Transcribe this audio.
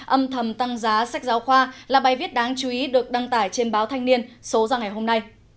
âm thầm tăng giá sách giáo khoa là bài viết đáng chú ý được đăng tải trên báo thanh niên số ra ngày hôm nay